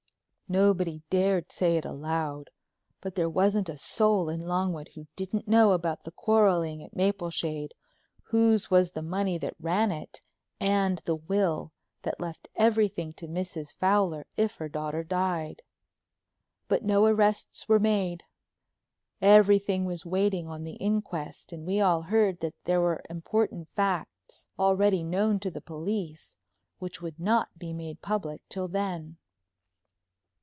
Nobody dared say it aloud, but there wasn't a soul in Longwood who didn't know about the quarreling at Mapleshade, whose was the money that ran it, and the will that left everything to Mrs. Fowler if her daughter died. But no arrests were made. Everything was waiting on the inquest, and we all heard that there were important facts—already known to the police—which would not be made public till then.